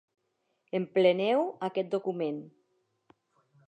Empleneu aquest document.